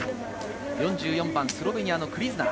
４４番・スロベニアのクリズナー。